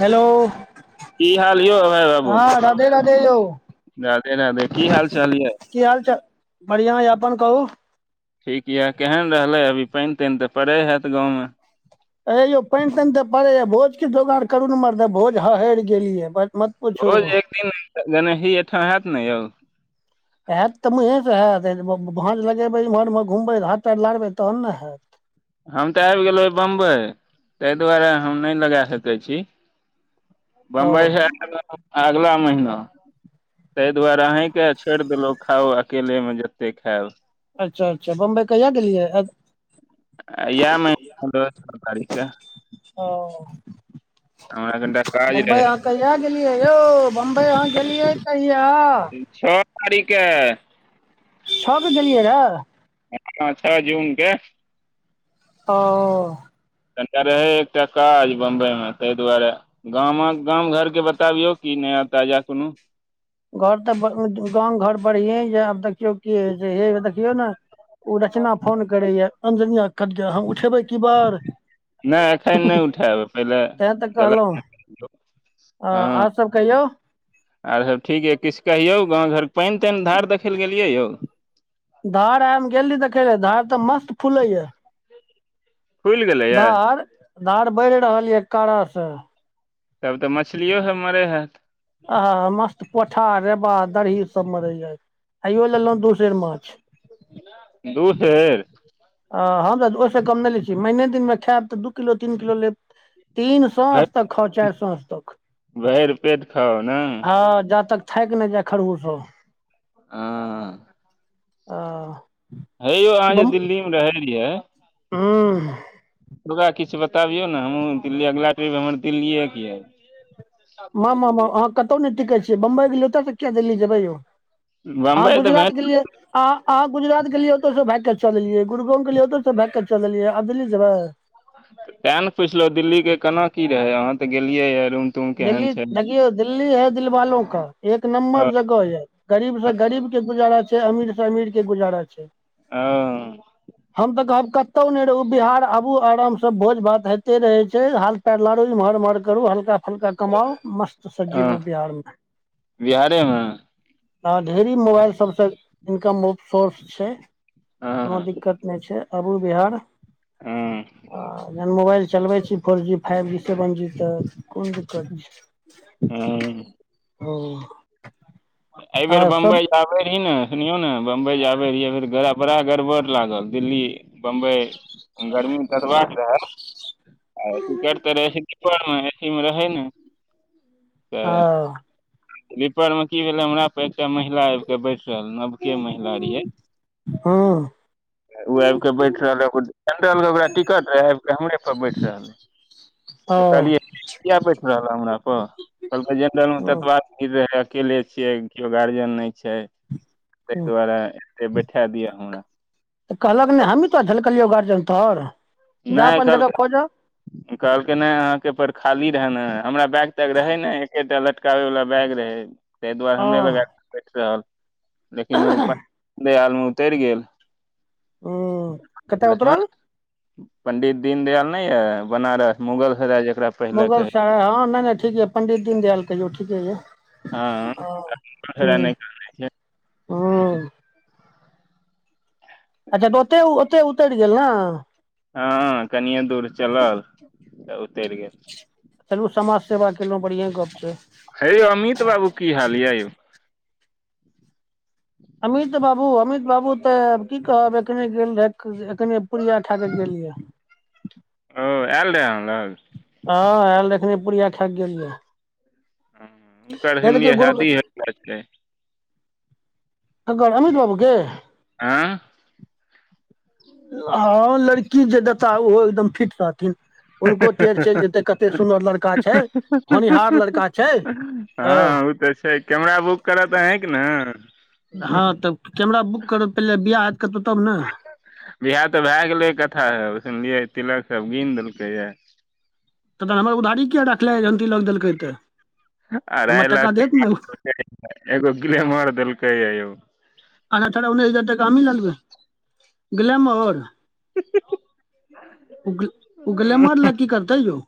Hello. [inaudible] की हाल यौ अभाइ बाबू? हँ राधे राधे यौ। राधे -राधे! की हालचाल ये? की हाल चाल, बढ़िआँ यऽ, अपन कहू? ठीक यऽ, केहन रहलै, अभी पानि- तानि तऽ पड़ै हैत गाँवमे? ह यौ पानि -तैन तऽ पड़ैए, भोजके जोगाड़ करू ने मरदे भोज हहरि गेलियै। पूछू रोज एक दिन गनही एहिठाम होयत ने यौ। हयत तऽ मुँसँ हैतत, भाँज लगेैम्हर इमहर- उम्हर घुमबै हाथ -ताथ लारबै तहन ने हयैत। हम तऽ आबि गेलहुै बम्बइ, ताहि दुआरे हम नहि लगा सकै छी। ओ बम्बइ ह अगला महिना तहि दुआरे अही तै छोड़ि देलहु खाउ, अकेले मे जते खायब। अच्छा! अच्छा! बम्बई कहिया गेलियै? ये महिना पद्रह तारीख के। ओ। हमरा कनिटा काज रहै। कहिआ गेलियए यौ, बम्बइ अहाँ गेलियै कहिया? छओ तारीखके। छक देलियै रहे। अच्छा छ जूनके। ओ। कनिटा रहै एकटा काज बम्बइमे तै दुआरे गाम, गाम घरके बतबियौ की नया ताजा कोनो घर तऽ गाम घर बढ़िए ये आब देखियौ कीे होइ छै, मेघ देखियौ ने। ओ रचना फोन करैये, अमजनिया के कब्जा, म उठेबै कि बर, नहि एखन नहि उठायब पहिले तें तऽ गलत कहलहुं। आ और सब कहियौ और सब ठीक ये, किछु कहियौ गाँव घर मे पानि तानि, धार देखै ले गेलियै यौ। धार हम गेल रही देखै ले धार तऽ मस्त फूलै ये। खुलि गेलैए धार, धार बढ़ि रहल ये कड़ा से। तब तऽ मछलियो सब मरै हैत। अहा मस्त, पोठा, रेबा दरही सब मरैये। आइयो लेलहुँ दु सेर माछ। दू सेर? हम तऽ ओहिसँ कम नहि लै छी, महिने दिनमे खायब तऽ दू किलो तीन किलो लेब। तीन सौ आजुक खर्चा अछि सांझ तक। भरिपेट खाउ ने। हं जा तक थाकि ने जाय खड़हु सब आ। आह। हे यौ अहाँ जे दिल्लीमे रहै रहियै हुं। ओतुका किछु बतबियौ ने हमहुं दिल्ली, अगिला ट्रिप हमर दिल्लीये के ये। माम मा मा अहाँ कतहु नहि टिकै छियै, बम्बइ गेलियै ओतऽ सं किया दिल्ली जेबै यौ? यऽ अहां बम्बई तऽ भे गुजरात गेलियै अह अहाँ गुजरात गेलियै ओतय सँ भागि के चल एलियै, गुरुगांव गेलियै ओतय से भागि के चल एलियै, आब दिल्ली जेबै? तें ने पुछलहु दिल्ली के केना की रहै, अहाँ तऽ गेलियै ये, रुम दिल्ली, देखियौ दिल्ली है दिलवालों का, एक ओ नम्बर जगह ये गरीब से गरीब के गुजारा छै, अमीर से अमीर के गुजारा छै। हम तऽ कहब क कतौ नहि रहु बिहार आबु आराम से भोज भात होइते रहै छै, हाल पैर लारू इमहर उमहर करू हल्का फुल्का कमाऊ मस्त से ओ जीबू बिहारमे। बिहारेमे हँ ढेरी मोबाइल सबसँ इनकम सोर्स छै। हँ दिकत नै छै आबू बिहार हँ आ मोबाइल चलबै छी four G, five G seven G तऽ कोन दिकत छै। हँ हुं। एहि बेेर बम्बई आयब आ रहि ने सुनियौ ने बम्बई जे आबै रहियै फेर बड़ा गड़बड़ लागल, दिल्ली बम्बइ गर्मी मे कटबाक रहे आ टिकट तऽ रहै स्लीपर मे एसी मे रहै नै त आ स्लीपर में की भेले हमरा पर एकटा महिला आबि के बैस रहल नबके महिला रहै हँ। ऊ आबि कऽ बैइठ रहलै, ओकऽ जेनरलके ओकरा टिकट रहै, हमरे पर बैइठ रहलै। आउ। किया बैठ रहला हमरा पर? कहलकै जेनरल मे हँ ततबै अइ बेर अकेले छियै, कियो गार्जियन नैय छै। तई हँ दुवारे ऐते बैठा दिया हमरा। तऽ कहलक नैय हमही तोरा झलकलियौ गार्जियन तोऽर? नैय कहलकैे कहलकै नैय अहाँके पर खाली रहैऽ न? हमरा बैग तऽ रहै नै, एकेटा लटकाबै वला बैग रहै। तई दुआरे हँ हमरे लग आइब कऽ बैठ रहल, लेकिन ओ पा [inaudible] उमरे आल में उतैर गेल। ओ, कत्ताऽ उतरल? पंडित दीनदयाल नैय अइ? बनारस, मुगल सराइ जकरा पहिले मुगल कहै सराय, हॉं, नैय- नैय ठीक याऽ, पंडित दीनदयाल कहियौ ठीके यैऽ। हँ मुगल सराय नहि अऽ-ह-हँ। कहने छै, अच्छा, तऽ ऊ ओतै-ओतै उतैर गेल, न? हँ, कनिये दूर चलल, तऽ उतैर गेल। चलू समाज सेवा केलौं, बढ़ियां गप्प छै। हे यौ अमित बाबू की हाल यैऽ यौ? ह अमित बाबू अमित बाबू तऽ की कहब? एखने गेल रहैय, एखने कने पूरिया खाकऽ गेल यैऽ। ओ ऐऽल रहेऽ अहॉं लग? हॉं, ऐल रैऽ अखने पुुरिया खायकऽ गेल यैऽ। हॅं, हूनकर हिन्दी केओ गुरु हैबी हेतै। ककर, अमित बाबू के? आँ? हँ, लड़की जे देता, ओहो एकदम फिट रहथिन। हुनको टेढ़ चैल जेतै, कते सुन्दर लड़का छै, होनिहार लड़का छै। हँ ओ तऽ छै, कैमरा बुक करत अहेंके न? हँ तऽ कैमरा बुक करब पइले बियाह हैत कतौ तब न? बिआह तऽ भैऽ गेलै कथा, सुनलियै तिलक सब गिन देलकै यैऽ। तन तऽ हमर उधारी कियैऽ रखले यऽ जहन तिलक देलकै? तऽ हमरा अरहाइ टाका लाख देत ने [unintelligible] एगो ग्लेमर देलकै यैऽ यौ। आना अठारऽ उन्नैस हजार टका हमही ललेबै, गलैमर हिऽ-हिऽ-हिऽ। उगल्-उ गलैमर लऽ की करतै यौ?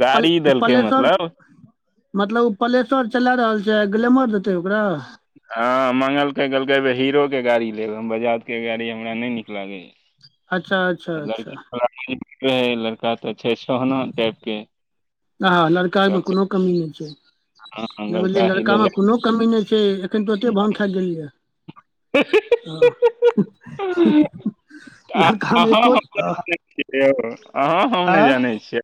गाड़ी देलकै पल-पलेश्वर मतलब मतलब ओ प्लेस्वर चला रहल छै, आ ग्लेमर देतै ओकरा? हँ मंगलकै, कहलकै अई बेेर हीरो के गाड़ी लेब, हम बजाज के गाड़ी हमरा नैय नीक लागैया। अच्छा अच्छा अच्छा लड़की [unintelligible] लड़का तऽ छै सोहना टाइप के, हँ लड़कामे कहलकैे कोनो कमी नैय छै, नैय बुझलियै ही लड़का में लेलक कोनो कमी नैय छै, एखैन तुरते भाँग खैऽ गेलै यैऽ। हां, आ लड़का में अहाँ हम कोन अहऽ यौ अहाँ हम ने जानै छियै,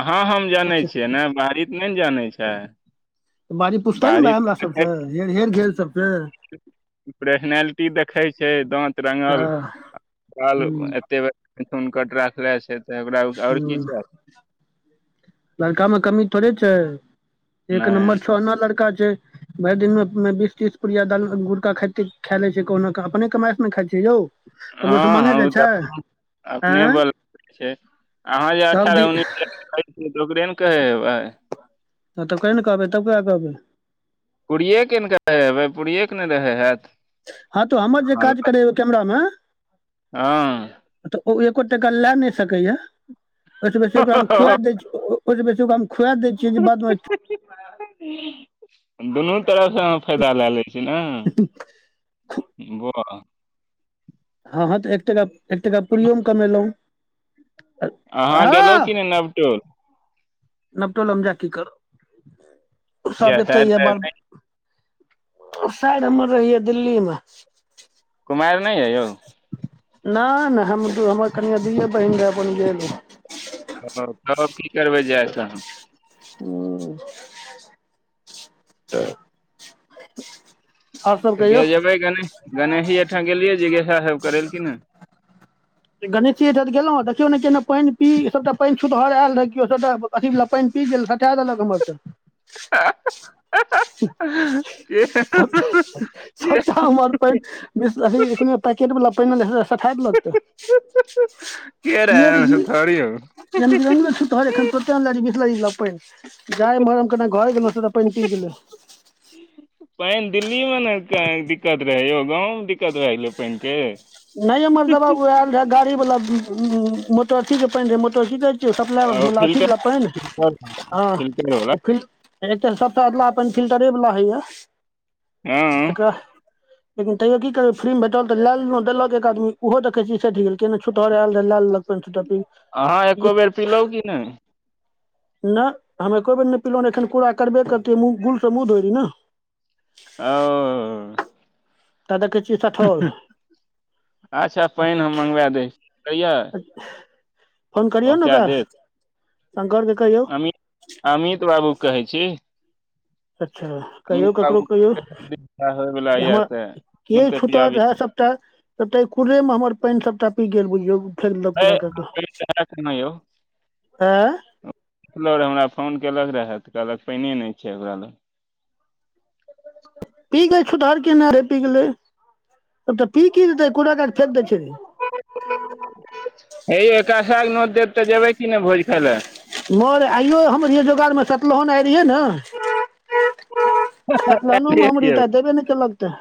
अहाँ हम जानै अच्छा छियै ने? बाहरी त नैय न जानै छै, बारी [unintelligible] ये भेल गेल सबसे? पर्सनलिटी देखै छै, दाँत रंगल हँ बाल हूँ एते थुन कट राखले छै तऽ ओकरा आओर की हूँ चाही। लड़का मे कमी थोड़े छै, एक नम्बर नहि सोना लड़का छै। भरि दिनमें बीस तीस- पुुरिया दाल गुड़का खाइत खा लै छै, कहुना अपने कमाई ने खाइ छै यौ। ककरो सँ हँ माँगे -हँ ओ जाइ छै तऽ अपने आँय बल। छै, अहाँ जे तब दी अठारह उन्नैससियै तऽ ओकरे ने करेबै। हँ तब कहहिे ने कहबै तब करा कहबै। पूरियएके ने कहै हेबै पूड़िएके ने रहै हैत। हँ तो हमर जे अहाँ काज लग। करै ओ कैमरामे। हँ तऽ ओ एको टका लए नहि सकैएा ओहिस बेसी ओकरा हम खुआ द ओहि बेसी ओकरा हम खुआ दै छियै जे बादमें दुनू तरफसँ आहां फायदा लए लै छी ने। बौआ। हँ- हँ तऽ एक टाका एक टाका पूुरियोमें कमेलहुँ। अहाँ गेलहुँ कि नै नब टोल। नबटोल हम जा के कि करब, सब किया एते शायर या तायर बाल नहि सैर हमर रहिय दिल्ली में। कुमारि नै हइ यौ? नै- नै हम- हमर कनिए दूइए बहीन रहए अपन गेल उ। तब कि करबै जाय के हम। हू। [unintelligible] आओर सब तऽ ग कहियौ जेबै कनि गणेशी एहिठाम गेलियै जिज्ञासा करैेल कि ने? गणेशी अयठं गेलहुँ देखियौ केना पाइन पी ई सभटा पानि छूदहर आयल रहै केओ सभटा। अथीबा पाइन पी गेल, हटाई देलक हमर त। सबटा [unintelligible] सबटा हमर पाइन बिसलेरी पैकेट वाल पाइन सठा देलक तै। के रहै एहन छुतहर यौ। [unintelligible] जाय एमहर हम कने घर गेलहुँ सबटा पाइन पी गेलय। पाइन दिल्ली में ने दिक्कत रहै यौ गाँवमे दिक्कत भए गेलै पाइनके। न एमर दवा ओ आयल रह गाड़ी वालला मोटरथी के पाइन रहे मोटर कि कहै सप्लाई ओ वला अथि फिल्टर बला पाइन हं, फिल्टर वाला ओ फिल आई काल्हि तऽ सबटा अदला पाइन फिल्टरेवला होइए हँ एकर लेकिन तैयो की करबै फ फ्री में भेटल तऽ लए लेलहु, देलक एक आदमी ओहो देखै छियै सैठ गेल। केने छूतहर आयल रहे, लै लेलक पाइन सबटा पी। अहाँ एको बेर पिलहुँ कि नै। नैह हमे कोई बेर नहि पिलहुँ, एखन कूरा करबे करतियै मुँह गुलसँ मुँह धोतीय ने। आओ। ता देखई छियै सठोल। अच्छा पाइन हम मँगबा दैछी कहियै फोन करयो ने ओकरा शंकरके कहियो मित -अमित बाबू कहैत छी। अच्छा कहियौ अमित ककरो बाबू कहियौ होयवला यए हमर तऽ के पानि तऽ छूतहर पियाबी रहै सब त सबटा कुरे मे हमर पाइन सबटा पी गेल बुझियौ। फेक देल है, कुड़ा कैड़ कऽ पानि रहए कि नहि ए? देखलौ रेहा तो हमरा फोन केलक रेहा तऽ कहलक पाइने नै छै ओकरा लग। पी गेल छुतहर केना रे पी गेलै उ तऽ पी की देतै कूड़ कर फेेक दै छै। हे यौ एकाशा नोत देब तऽ जेबै की नेै भोज खाय लए। मर आइयो हम रहियै जोगार मे सतलहन आइ रहियै न। सतनहनोमे हमरैयै ते देबे ने केलक तऽ।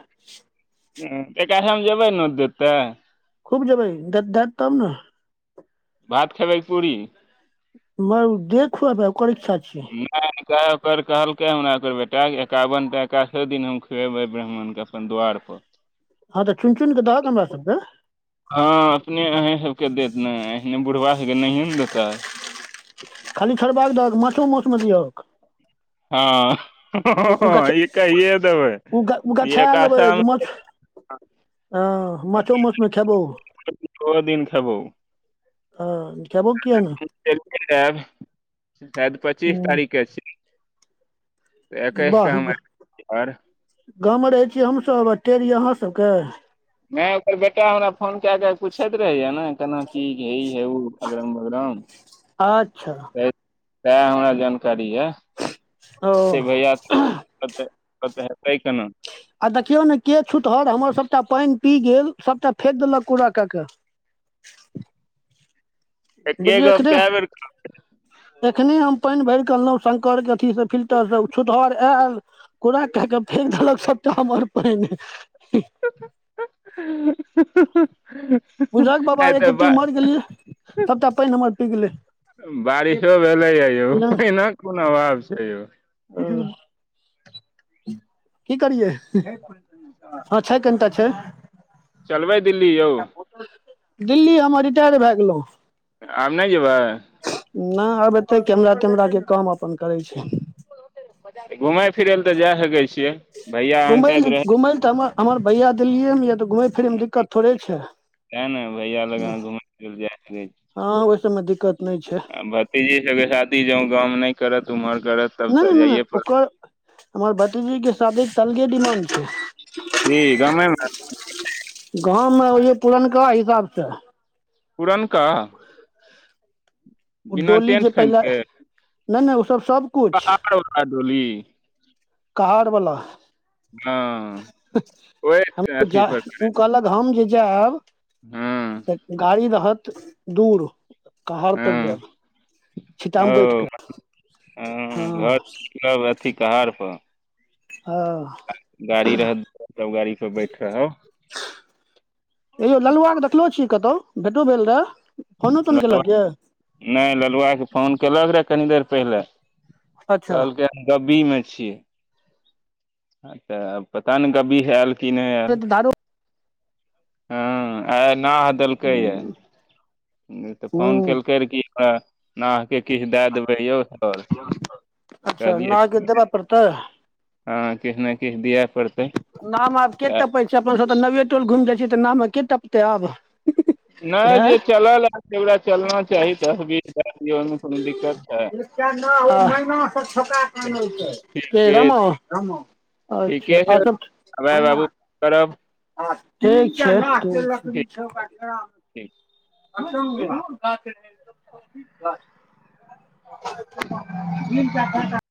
हूँ एका [unintelligible] जेबै नोत देतै। खूब जेबै द देत तब ने। भात खेबै पुरी? [unintelligible] जे खुआबे ओकर इच्छा छियै। नै सेएह कहलकै हमरा ओकर बेटा एकावनटा एकासो दिन हम खुऐबै ब्राम्हण के। पन द्वार पर हँ तऽ चुइन- चुइन के दहक ने हमरा सबके। हँ अपने अंही सबके देत ने एने बुड़बा सबके नहिए ने देतै। खाली छोड़बाक के दहक माछो, मौस मे दिहक। हँ ह उ गछ हँ इ कहिए देबै उ इ गछाय लेबै जे एकाशामे माछ हँ माछो मासु मे खेबौ ओहो दिन खेबो। आ देबो किया ने। चैल के एब सैयद पच्चीस तारीख के छि। बाहग आयब घर गाँवमे रहै छीयै हमसब टेड़ी अहाँ सबके। नै ओकर बेटा हमरा फोन कै देल पुछैत रहेया ने केना की इ उ अगरम बगरम। आच्छा सएह हमरा जानकारी या ओ से भैया। तत तत हेतै केना? आ देखियौ ने के छूतहर हमर सबटा पैन पी गेल सबटा फेेक देलक कूड़ा कऽ के? एके बुझिए गप एखने कए बेर एखने हम पैन भैरकऽ अनलौ। शंकर के अथी से फिल्टर से ओ छुतहर एल कुड़ा कऽ के फेेक देलक सबटा हमर। पाइन [unintelligible] बुझलक बाबा आइ एक तऽ बा रती ओमहर गेलियै सबटा पैन हमर पी गेलै। बारिसो भेलैए यौ की पाइनक कोन अभाव छै यौ। हुँ। की करियै हँ छै तनिटा छै। चलबे दिल्ली यौ? दिल्ली हम रिटैर भऽ गेलौ। आब नै जेबै। नै आब एतेै कैमरा- तेमरा के काम अपन करै छी। घुमै फिरै लए तऽ जा सकै छियै? भैया अहाँ घुमै लए शायद रहै घुमै लए तऽ हम हमर भैया दिल्लीए मे या तऽ घुमै फिरैमे दिक्कत थोड़े छै। तए ने भैया लग आहाँ घुमै फिरै लेए जाय सकै हँ ओहि सबमे दिक्कत नहि छै छी आब। भतिजी सबके शादी जउ गाँवमे नै करत ओम्हर करत? तब ना, ना, तऽ ना, ना जाइए पड़त ओकर हमर बतीजी के शादी के तऽ अलगे डिमाणंड छै। कि गामे मे गाँव मे ओहिए पुरनका हिसाबसँ। पुरनका ओ बिना डोली टेंट जे फेंट तैयले के नै-नै ओ सब- सब [unintelligible] कहार बला हँ [unintelligible] ओहि अथी पर कहलक हम जे जेएब हँ से गाड़ी रहत दूर कहार पर हँ जैब छिटामे ओ बैठके हँ। सब अथी कहार पर। ह। आ गाड़ी रहत तब गाड़ी पर बैइठ रहब। ए यौ ललूआ के देखलो छियै कतौ। भेटो भेल रहऽ फोनो तोन केलक यऽ। नय ललुआके फोन केलक रहे कनी देर पहिले अच्छा कहलकैय गब्बी में छी। हँ तऽ पता ने गब्बी हैल कि नय ऐल। दारू हँ आय नह देलकैएा त फोन हूँ केलकै रहे कि नावके किछ दैए देबै यौ सर। अच्छा कहलियै नावके देबै परतै। हँ किछ ने किछ दिअ पड़तै। नाव आब के तऽ टपै छैय अपना सब त नवेटोल घुइम जाइ छियै त नावमे के टपतै आब। नय जे एँ चलल हय ओकरा चलना चाही दस भीर के ठीके रामा। ठीके अच्छा छै आ सब। आबै बाबू करब। ठीक छैय, ठीक। ठीक। [unintelligible] [unintelligible]